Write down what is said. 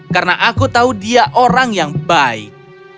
karena aku tahu dia orang yang baik